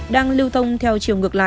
đang lưu thông theo chiều ngược lại